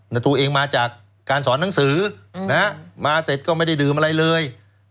แต่ตัวเองมาจากการสอนหนังสือมาเสร็จก็ไม่ได้ดื่มอะไรเลย